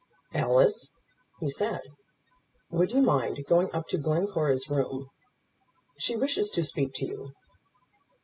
"Alice," he said, "would you mind going up to Glencora's room? She wishes to speak to you."